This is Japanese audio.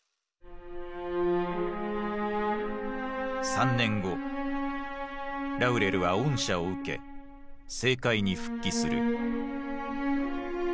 ３年後ラウレルは恩赦を受け政界に復帰する。